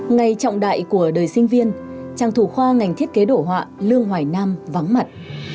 ngày trọng đại của đời sinh viên tràng thủ khoa ngành thiết kế đổ họa lương hoài nam vắng mặt